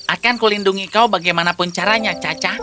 akan kulindungi kau bagaimanapun caranya caca